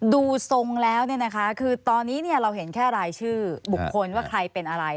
ดูทรงแล้วเนี่ยนะคะคือตอนนี้เนี่ยเราเห็นแค่รายชื่อบุคคลว่าใครเป็นอะไร